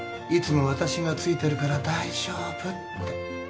「いつも私がついてるから大丈夫」って